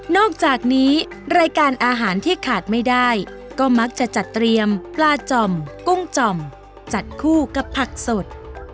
อกจากนี้รายการอาหารที่ขาดไม่ได้ก็มักจะจัดเตรียมปลาจ่อมกุ้งจ่อมจัดคู่กับผักสด